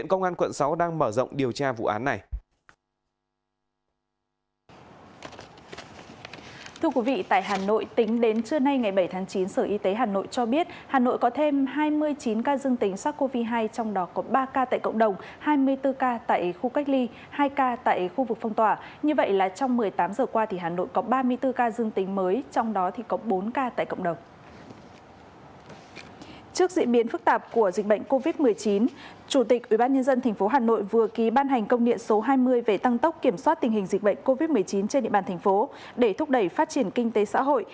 trước diễn biến phức tạp của dịch bệnh covid một mươi chín chủ tịch ubnd tp hà nội vừa ký ban hành công niệm số hai mươi về tăng tốc kiểm soát tình hình dịch bệnh covid một mươi chín trên địa bàn thành phố để thúc đẩy phát triển kinh tế xã hội